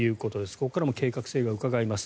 ここからも計画性がうかがえます。